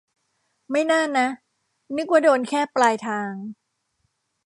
ไม่น่านะ นึกว่าโดนแค่ปลายทาง